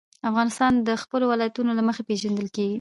افغانستان د خپلو ولایتونو له مخې پېژندل کېږي.